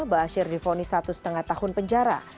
bashir difonis satu lima tahun penjara